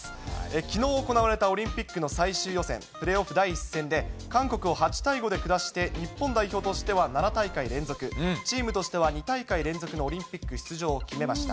きのう行われたオリンピックの最終予選、プレーオフ第１戦で、韓国を８対５で下して、日本代表としては７大会連続、チームとしては２大会連続のオリンピック出場を決めました。